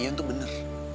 ian tuh bener